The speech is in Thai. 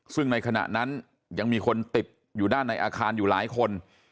ซึ่งในขณะนั้นยังมีคนติดอยู่ด้านในอาคารอยู่หลายคน